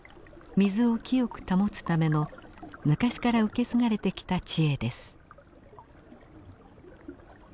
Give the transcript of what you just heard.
水を清く保つための昔から受け継がれてきた知恵です。